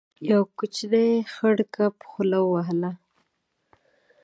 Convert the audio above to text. يو کوچنی خړ کب خوله وهله.